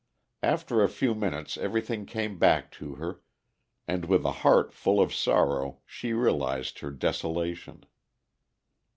After a few minutes everything came back to her, and with a heart full of sorrow she realized her desolation.